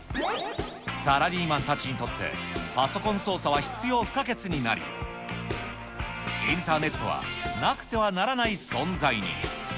サラリーマンたちにとって、パソコン操作は必要不可欠になり、インターネットはなくてはならない存在に。